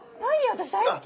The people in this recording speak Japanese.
私大好き。